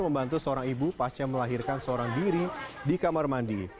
membantu seorang ibu pasca melahirkan seorang diri di kamar mandi